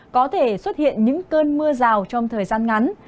có thể xuất hiện những cơn mưa rào trong thời gian ngắn